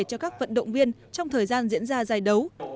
cho các vận động viên trong thời gian diễn ra giải đấu